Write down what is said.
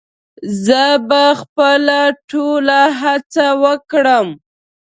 زه به خپله ټوله هڅه وکړم